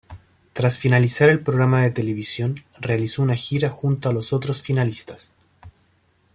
Tras finalizar el programa de televisión realizó una gira junto a los otros finalistas.